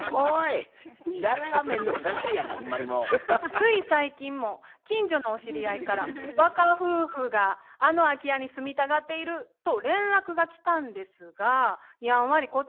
つい最近も近所のお知り合いから若夫婦があの空き家に住みたがっていると連絡が来たんですがやんわり断ったそうなんです。